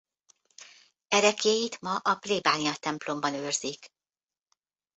Ereklyéit ma a plébániatemplomban őrzik.